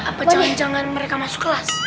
apa jangan jangan mereka masuk kelas